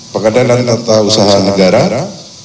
pengadilan tata usaha negara